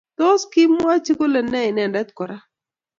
Tos, kimwochi kole ne kole inendet ko korat?